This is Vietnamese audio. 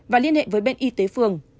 và liên hệ với bên y tế phường